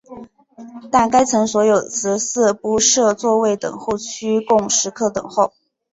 但该层所有食肆不设座位等候区供食客等候。